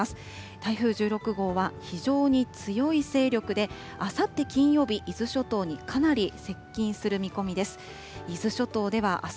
台風１６号は非常に強い勢力で、あさって金曜日、伊豆諸島にかなり接近する見込みです。